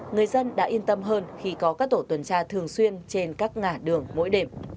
người dân đã yên tâm hơn khi có các tổ tuần tra thường xuyên trên các ngã đường mỗi đêm